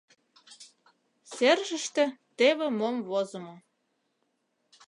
Серышыште теве мом возымо: